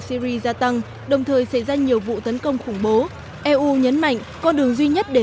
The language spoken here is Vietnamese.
syri gia tăng đồng thời xảy ra nhiều vụ tấn công khủng bố eu nhấn mạnh con đường duy nhất để